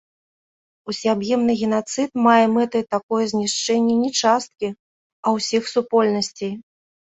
Усеабдымны генацыд мае мэтай такое знішчэнне не часткі, а ўсіх супольнасцей.